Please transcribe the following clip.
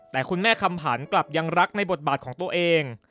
แต่คุณแม่คำผันกลับยังรักในบทบาทของตัวเอง